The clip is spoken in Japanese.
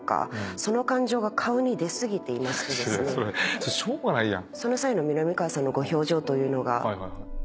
それしょうがないやん。